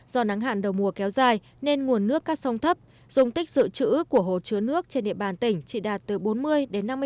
do nắng hạn đầu mùa kéo dài nên nguồn nước các sông thấp dùng tích dự trữ của hồ chứa nước trên địa bàn tỉnh chỉ đạt từ bốn mươi đến năm mươi